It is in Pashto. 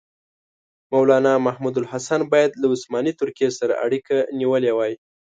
مولنا محمودالحسن باید له عثماني ترکیې سره اړیکه نیولې وای.